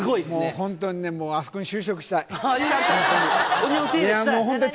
本当にね、あそこに就職したい、本当に。